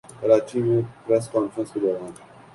کراچی میں press conference کے دوران